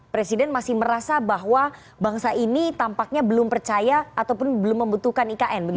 presiden masih merasa bahwa bangsa ini tampaknya belum percaya ataupun belum membutuhkan ikn